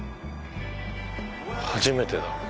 初めてだ。